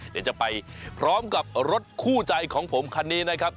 เดี๋ยวจะไปพร้อมกับรถคู่ใจของผมคันนี้นะครับ